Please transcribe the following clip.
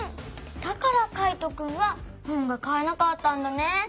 だからカイトくんはほんがかえなかったんだね。